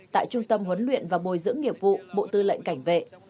tại trung tâm huấn luyện và bồi dưỡng nghiệp vụ bộ tư lệnh cảnh vệ